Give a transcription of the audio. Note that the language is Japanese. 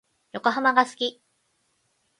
横浜が好き。